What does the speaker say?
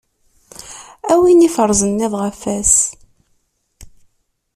A win iferzen iḍ ɣef wass.